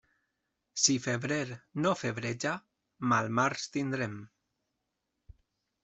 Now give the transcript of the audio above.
Si febrer no febreja, mal març tindrem.